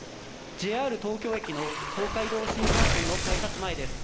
ＪＲ東京駅の東海道新幹線の改札前です。